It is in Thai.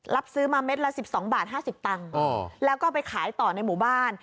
รับซื้อมาเม็ดละ๑๒บาท๕๐ตังค์แล้วก็ไปขายต่อในหมู่บ้าน